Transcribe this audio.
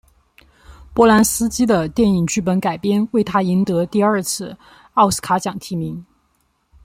波兰斯基的电影剧本改编为他赢得第二次奥斯卡奖提名。